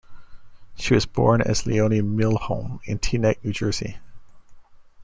She was born as Leonie Milhomme in Teaneck, New Jersey.